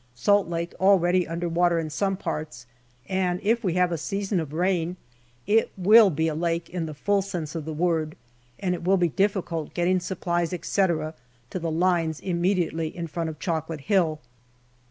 Salt Lake already under water in some parts, and if we have a season of rain, it will be a lake in the full sense of the word, and it will be difficult getting supplies, etc., to the lines immediately in front of Chocolate Hill.